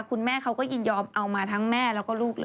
คุณแม่เขาก็ยินยอมเอามาทั้งแม่แล้วก็ลูกเลย